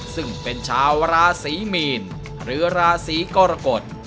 ซึ่งเป็นชาวราศรีมีนหรือราศีกรกฎ